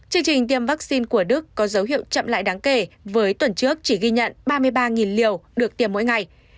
chương trình tiêm vaccine của đức có dấu hiệu chậm lại đáng kể với tuần trước chỉ ghi nhận ba mươi ba liều được tiêm mỗi ngày